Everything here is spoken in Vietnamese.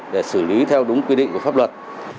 để xử lý theo đúng quy định của pháp luật